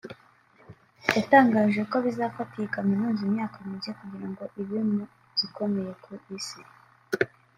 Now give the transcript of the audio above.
yatangaje ko bizafata iyi kaminuza imyaka mike kugira ngo ibe mu zikomeye ku Isi